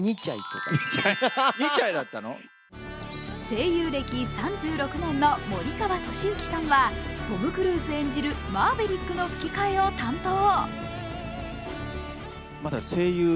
声優歴３６年の森川智之さんはトム・クルーズ演じるマーヴェリックの吹き替えを担当。